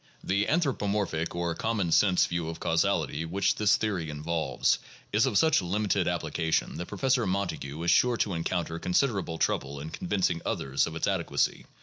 The anthropomorphic or "common sense" view of causality which this theory involves is of such limited application that Professor Montague is sure to encounter considerable trouble in convincing others of its adequacy.